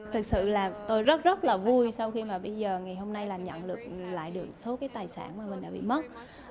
thực sự là tôi rất rất là vui sau khi mà bây giờ ngày hôm nay là nhận được lại được số cái tài sản mà mình đã bị mất